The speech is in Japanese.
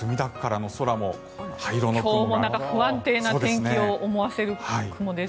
今日も不安定な天気を思わせる雲です。